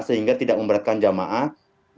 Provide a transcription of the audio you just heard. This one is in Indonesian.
sehingga tidak membaratkan jemaah haji